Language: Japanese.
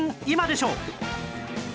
今でしょ』